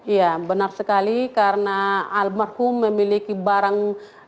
iya benar sekali karena almarhum memiliki barang